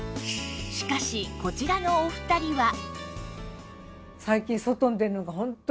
しかしこちらのお二人は